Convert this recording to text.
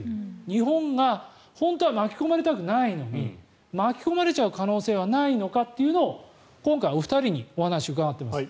日本が本当は巻き込まれたくないのに巻き込まれちゃう可能性はないのかということを今回、お二人にお話を伺ってます。